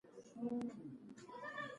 سمه لاره ښه ده.